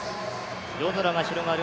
夜空が広がる